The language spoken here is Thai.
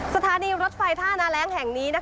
สถานีรถไฟท่านาแร้งแห่งนี้